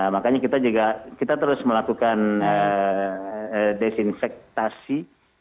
makanya kita juga kita terus melakukan desinfektasi